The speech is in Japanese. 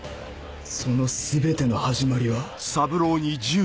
その全ての始まりは。